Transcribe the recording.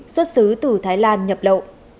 xuất xứ từ thái lan nhập lộ